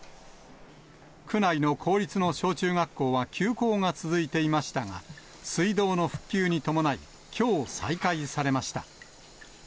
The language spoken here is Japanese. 区内の公立の小中学校は休校が続いていましたが、水道の復旧に伴い、きょう再開されました。